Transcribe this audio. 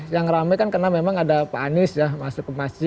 yang rame kan karena memang ada pak anies ya masuk ke masjid